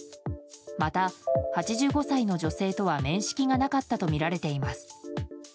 また、８５歳の女性とは面識がなかったとみられています。